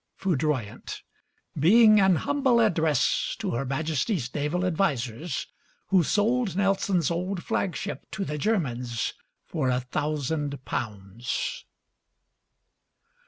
'FOUDROYANT' [Being an humble address to Her Majesty's Naval advisers, who sold Nelson's old flagship to the Germans for a thousand pounds.